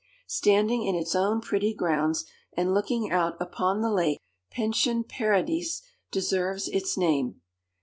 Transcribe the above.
Standing in its own pretty grounds, and looking out upon the lake, Pension Paradis deserves its name.